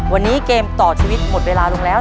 วันนี้เกมต่อชีวิตหมดเวลาลงแล้ว